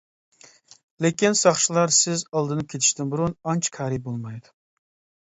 لېكىن ساقچىلار سىز ئالدىنىپ كېتىشتىن بۇرۇن ئانچە كارى بولمايدۇ.